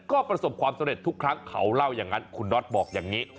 ก็ประสบความสำเร็จทุกครั้งเขาเล่าอย่างนั้นคุณน็อตบอกอย่างนี้